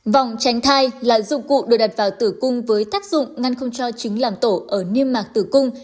vòng tránh thai là dụng cụ được đặt vào tử cung với tác dụng ngăn không cho chính làm tổ ở niêm mạc tử cung